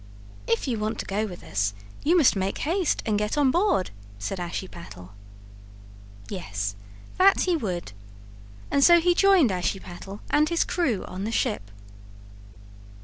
"If you want to go with us, you must make haste and get on board," said Ashiepattle. Yes, that he would. And so he joined Ashiepattle and his crew on the ship.